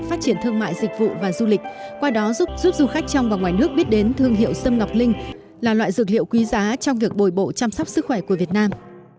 phát triển thương mại dịch vụ và du lịch qua đó giúp du khách trong và ngoài nước biết đến thương hiệu sâm ngọc linh là loại dược liệu quý giá trong việc bồi bộ chăm sóc sức khỏe của việt nam